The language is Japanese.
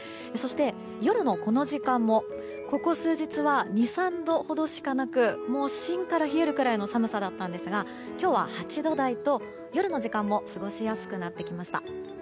そして、夜のこの時間もここ数日は２３度ほどしかなく芯から冷えるくらいの寒さだったんですが今日は８度台と、夜の時間帯も過ごしやすくなってきました。